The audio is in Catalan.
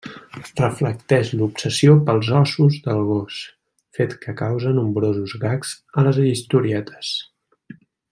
Reflecteix l'obsessió pels ossos del gos, fet que causa nombrosos gags a les historietes.